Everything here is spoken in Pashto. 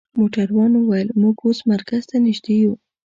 موټروان وویل: موږ اوس مرکز ته نژدې یو.